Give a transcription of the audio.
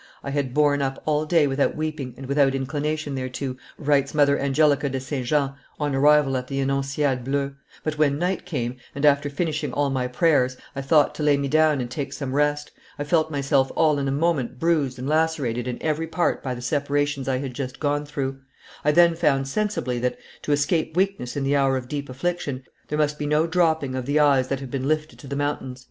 "I had borne up all day without weeping and without inclination thereto," writes Mother Angelica de St. Jean on arrival at the Annonciades bleues; "but when night came, and, after finishing all my prayers, I thought to lay me down and take some rest, I felt myself all in a moment bruised and lacerated in every part by the separations I had just gone through; I then found sensibly that, to escape weakness in the hour of deep affliction, there must be no dropping of the eyes that have been lifted to the mountains."